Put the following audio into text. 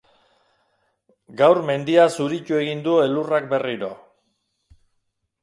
Gaur mendia zuritu egin du elurrak berriro.